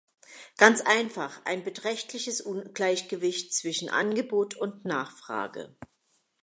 Ganz einfach ein beträchtliches Ungleichgewicht zwischen Angebot und Nachfrage.